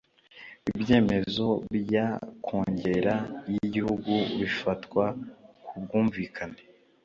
ibyemezo bya kongere y’igihugu bifatwa ku bwumvikane